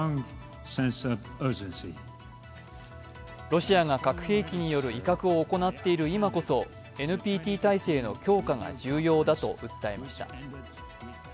ロシアが核兵器による威嚇を行っている今こそＮＰＴ体制の強化が重要だと訴えました。